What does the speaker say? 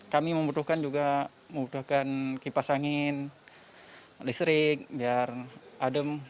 kami membutuhkan juga membutuhkan kipas angin listrik biar adem